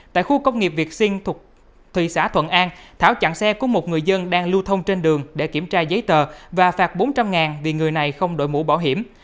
tại khu công nghiệp việt sinh thuộc thị xã thuận an thảo chặn xe của một người dân đang lưu thông trên đường để kiểm tra giấy tờ và phạt bốn trăm linh vì người này không đội mũ bảo hiểm